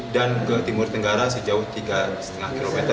dan ke timur tenggara sejauh tiga lima kilometer